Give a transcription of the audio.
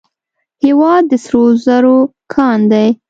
هیواد د سرو زرو کان دی